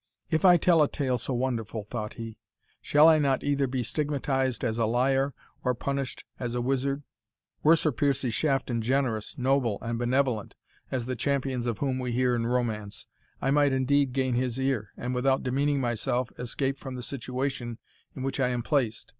"If I tell a tale so wonderful," thought he, "shall I not either be stigmatized as a liar, or punished as a wizard? Were Sir Piercie Shafton generous, noble, and benevolent, as the champions of whom we hear in romance, I might indeed gain his ear, and, without demeaning myself, escape from the situation in which I am placed.